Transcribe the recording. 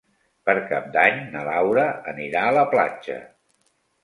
Per Cap d'Any na Laura anirà a la platja.